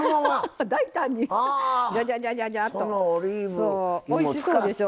そうおいしそうでしょ。